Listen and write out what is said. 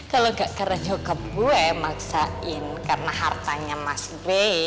kalau gak kerja gue maksain karena hartanya mas b